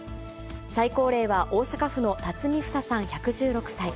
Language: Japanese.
最高齢は大阪府の巽フサさん１１６歳。